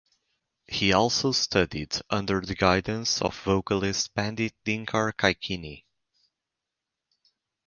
He also studied under the guidance of vocalist Pandit Dinkar Kaikini.